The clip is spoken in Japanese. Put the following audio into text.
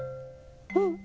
うん。